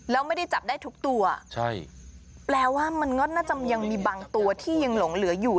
แล้วไม่ได้จับได้ทุกตัวใช่แปลว่ามันก็น่าจะยังมีบางตัวที่ยังหลงเหลืออยู่